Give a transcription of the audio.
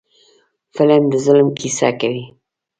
فلم د ظلم کیسه کوي